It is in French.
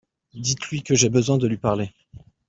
Dites-lui que j'ai besoin de lui parler.